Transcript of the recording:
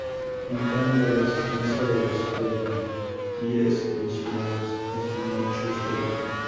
En cambio, la existencia de los tres mártires mencionados es un hecho histórico.